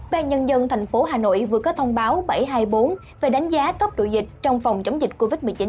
ban nhân dân tp hà nội vừa có thông báo bảy trăm hai mươi bốn về đánh giá cấp độ dịch trong phòng chống dịch covid một mươi chín